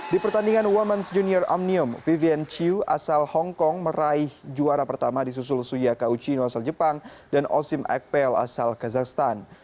di pertandingan women's junior omnium vivian chiu asal hongkong meraih juara pertama di susul suya kauchino asal jepang dan osim akpel asal kazakhstan